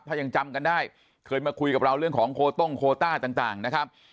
ถ้ายังจำกันได้เคยมาคุยกับเราเรื่องของโคต้งโคต้าต่างนะครับ